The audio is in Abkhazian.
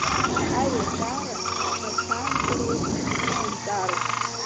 Аҩадара бӷацамкыроуп, ишьанҵароуп…